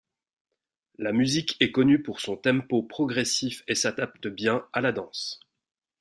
La musique est connue pour son tempo progressif et s'adapte bien à la danse.